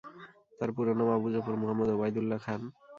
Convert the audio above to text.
তার পুরো নাম আবু জাফর মুহাম্মদ ওবায়দুল্লাহ খান।